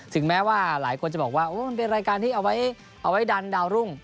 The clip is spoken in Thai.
ถึงแม้ว่าหลายคนจะบอกว่ามันเป็นรายการที่เอาไว้ดันดาวรุ่ง